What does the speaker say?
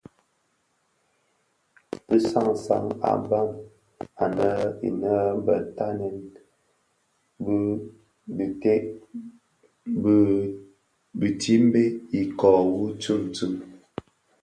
Bi sans an a mbam anèn innë bè tatnèn bi teted bi bitimbè ikoo wu tsuňtsuň.